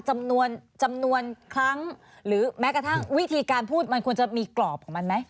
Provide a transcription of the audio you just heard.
จำนวนจำนวนครั้งหรือแม้กระทั่งวิธีการพูดมันควรจะมีกรอบของมันไหม